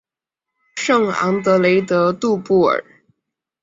圣昂德雷德杜布尔。